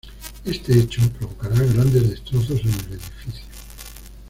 Este hecho provocará grandes destrozos en el edificio.